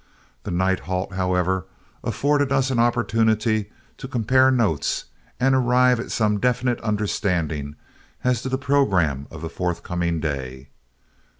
The night halt, however, afforded us an opportunity to compare notes and arrive at some definite understanding as to the programme of the forthcoming day.